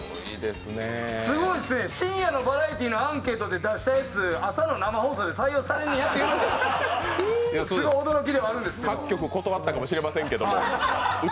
すごいですね、深夜のバラエティーのアンケートで出したやつ朝の生放送で採用されるんやということがすごい驚きでもあるんですけど。